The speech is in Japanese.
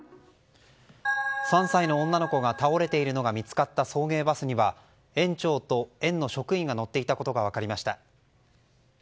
３歳の女の子が倒れているのが見つかった送迎バスには園長と園の職員が乗っていたことが分かりました。